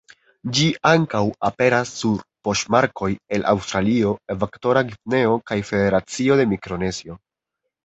Ĝi ankaŭ aperas sur poŝtmarkoj el Aŭstralio, Ekvatora Gvineo kaj Federacio de Mikronezio.